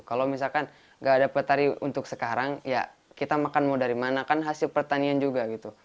kalau misalkan nggak ada petani untuk sekarang ya kita makan mau dari mana kan hasil pertanian juga gitu